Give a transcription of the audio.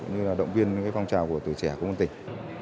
như là động viên cái phòng trào của tuổi trẻ công an tỉnh